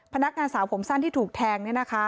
พนักการสาวผมสั้นที่ถูกแทงนี่นะคะ